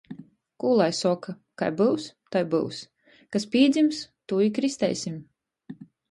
Kū lai soka. Kai byus, tai byus. Kas pīdzims, tū i kristeisim!